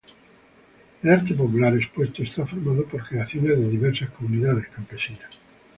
El arte popular expuesto está formado por creaciones de diversas comunidades campesinas.